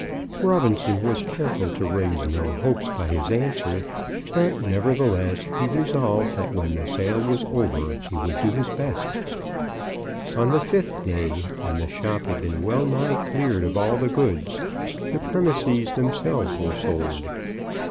Robinson was careful to raise no hopes by his answer; but, nevertheless, he resolved that when the sale was over, he would do his best. On the fifth day, when the shop had been well nigh cleared of all the goods, the premises themselves were sold.